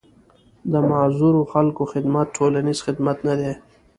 د معذورو خلکو خدمت ټولنيز خدمت نه دی.